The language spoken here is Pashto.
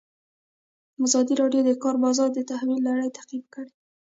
ازادي راډیو د د کار بازار د تحول لړۍ تعقیب کړې.